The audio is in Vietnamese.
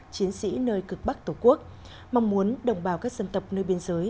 chiến sĩ nơi cực bắc tổ quốc mong muốn đồng bào các dân tộc nơi biên giới